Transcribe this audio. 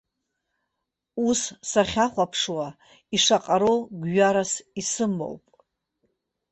Ус сахьахәаԥшуа ишаҟароу гәҩарас исымоуп.